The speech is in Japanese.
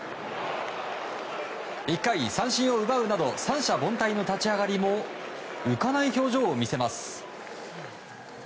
１回、三振を奪うなど三者凡退の立ち上がりも浮かない表情を見せます。